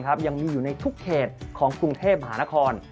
ยังมีอยู่ในทุกเขตของกรุงเทพมหานคร